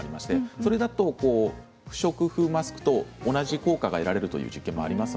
それだと不織布マスクと同じ効果が得られるという実験結果があります。